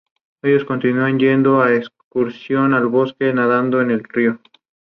Las operaciones se conocen colectivamente como "Air Opium".